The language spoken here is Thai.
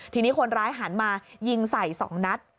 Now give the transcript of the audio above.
ทีนี้คนร้ายหันมายิงใส่๒นัด